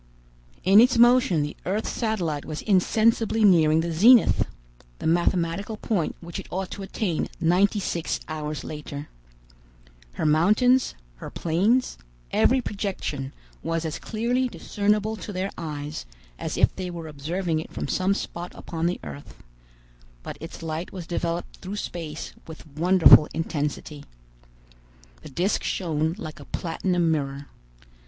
In its motion the earth's satellite was insensibly nearing the zenith, the mathematical point which it ought to attain ninety six hours later. Her mountains, her plains, every projection was as clearly discernible to their eyes as if they were observing it from some spot upon the earth; but its light was developed through space with wonderful intensity. The disc shone like a platinum mirror.